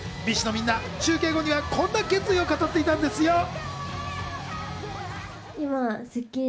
ＢｉＳＨのみんな、中継後にはこんな決意を語っていたんですよ。